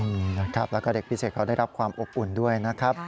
นะครับแล้วก็เด็กพิเศษเขาได้รับความอบอุ่นด้วยนะครับ